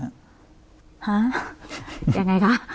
ฮะยังไงคะ